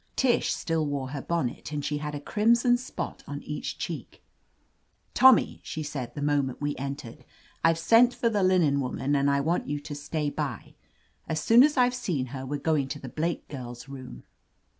Tish still wore her bonnet, and she had a crimson spot on each cheek. "Tommy," she said, the moment we en tered. "I've sent for the linen woman, and I want you to stay by. As soon as I've seen her, we're going to the Blake girl's room."